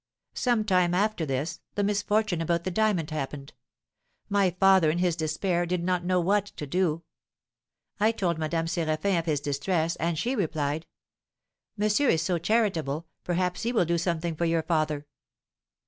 Some time after this, the misfortune about the diamond happened. My father in his despair did not know what to do. I told Madame Séraphin of his distress, and she replied; 'Monsieur is so charitable, perhaps he will do something for your father.'